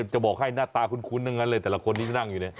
จะบอกให้หน้าตาคุ้นเลยแต่ละคนที่นั่งอยู่นี่